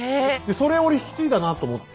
それ俺引き継いだなと思って。